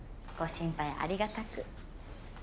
ご心配ありがたく。